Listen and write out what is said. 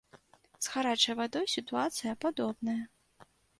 З гарачай вадой сітуацыя падобная.